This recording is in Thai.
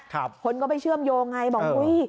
คนก็ไปเชื่อมโยงไงบอกอุ้ย